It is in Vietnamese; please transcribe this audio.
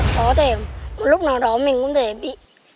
có thể một lúc nào đó mình cũng có thể bị